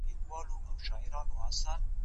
د لیدو په هیله.